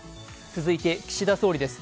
続いて岸田総理です。